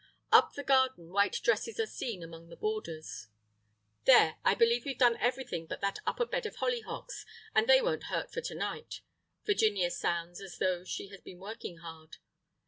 Up the garden white dresses are seen among the borders. "There, I believe we've done everything but that upper bed of hollyhocks, and they won't hurt for to night." Virginia sounds as though she had been working hard.